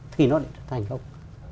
thì nó thành công